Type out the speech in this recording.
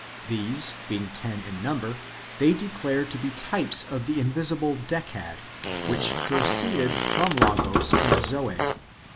These, being ten in number, they declare to be types of the invisible Decad, which proceeded from Logos and Zoe.